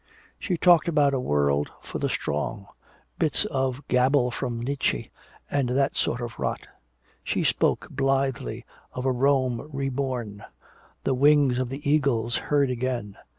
She talked about a world for the strong, bits of gabble from Nietzsche and that sort of rot; she spoke blithely of a Rome reborn, the "Wings of the Eagles" heard again.